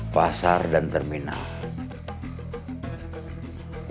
pasar dan terminal